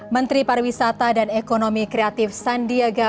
menteri pariwisata dan ekonomi kreatif sandiaga